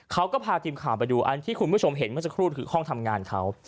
เขาก็พาทีมข่าวไปดูอันที่คุณผู้ชมเห็นเมื่อสักครู่คือห้องทำงานเขา